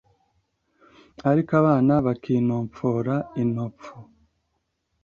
Ariko abana bakinopfora inopfu